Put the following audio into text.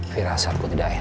virasat pilot tidak enak